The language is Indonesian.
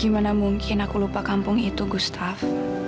gimana mungkin aku lupa kampung itu gustaf